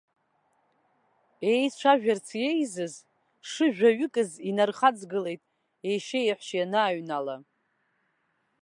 Еицәажәарц еизаз шыжәаҩыкыз инархаҵгылеит ешьеи еҳәшьеи анааҩнала.